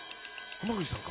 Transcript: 濱口さんか？